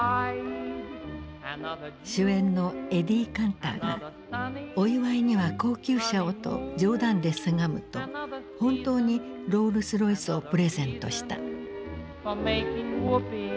主演のエディ・カンターが「お祝いには高級車を」と冗談でせがむと本当にロールスロイスをプレゼントした。